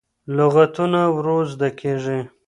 لغتونه ورو زده کېږي.